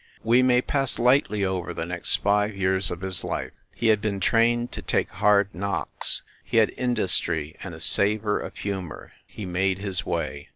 We may pass lightly over the next five years of his life. He had been trained to take hard knocks, he had industry and a savor of humor he made his way.